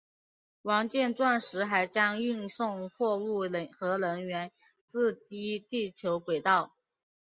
王剑钻石还将运送货物和人员至低地球轨道。